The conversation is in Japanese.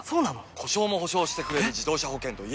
故障も補償してくれる自動車保険といえば？